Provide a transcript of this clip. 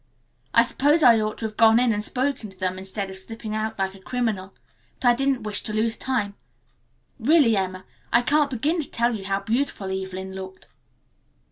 I suppose I ought to have gone in and spoken to them instead of slipping out like a criminal, but I didn't wish to lose time. Really, Emma, I can't begin to tell you how beautiful Evelyn looked!"